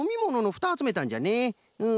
うん。